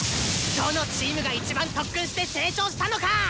どのチームが一番特訓して成長したのか！